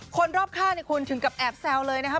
คนรอบข้างคุณถึงกับแอบแซวเลยนะครับ